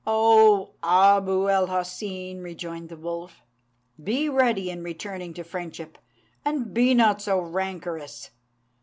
"O Abu l Hoseyn!" rejoined the wolf, "be ready in returning to friendship, and be not so rancorous.